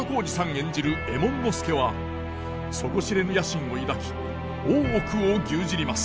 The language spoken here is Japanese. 演じる右衛門佐は底知れぬ野心を抱き大奥を牛耳ります。